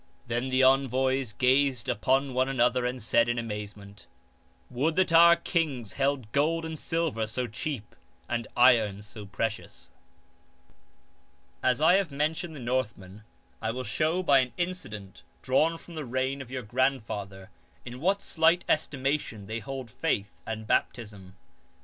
Then the envoys gazed upon one another and said in amazement : 152 BEFORE LEWIS THE PIOUS " Would that our kings held gold and silver so cheap and iron so precious." 19. As I have mentioned the Northmen I will show by an incident dravirn from the reign of your grandfather in what slight estimation they hold faith and baptism.